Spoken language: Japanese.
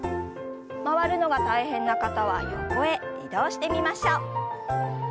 回るのが大変な方は横へ移動してみましょう。